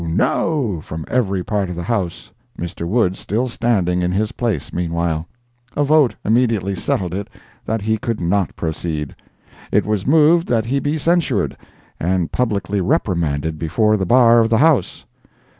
no!" from every part of the House, Mr. Wood still standing in his place meanwhile.] A vote immediately settled it that he could not proceed. It was moved that he be censured, and publicly reprimanded before the bar of the House.